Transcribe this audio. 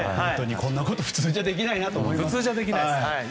こんなこと普通じゃできないなと。